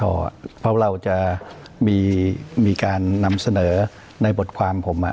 เพราะเราจะมีการนำเสนอในบทความผม